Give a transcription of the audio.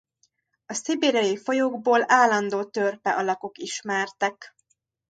A szibériai folyókból állandó törpe alakok ismertek.